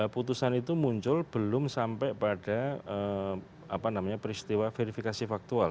putusan itu muncul belum sampai pada peristiwa verifikasi faktual